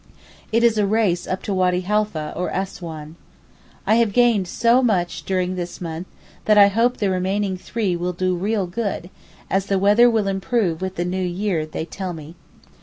It is a race up to Wady Halfeh or Assouan. I have gained so much during this month that I hope the remaining three will do real good, as the weather will improve with the new year they tell me.